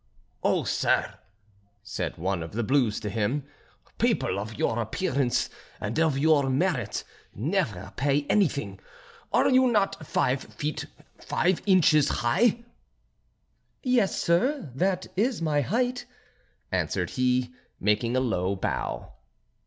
"Oh, sir," said one of the blues to him, "people of your appearance and of your merit never pay anything: are you not five feet five inches high?" "Yes, sir, that is my height," answered he, making a low bow.